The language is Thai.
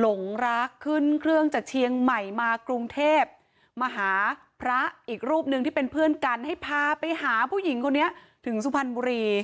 หลงรักขึ้นเครื่องจากเชียงใหม่มากรุงเทพมาหาพระอีกรูปหนึ่งที่เป็นเพื่อนกันให้พาไปหาผู้หญิงคนนี้ถึงสุพรรณบุรี